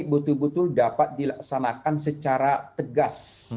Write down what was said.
betul betul dapat dilaksanakan secara tegas